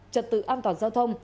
trật tự an toàn giao thông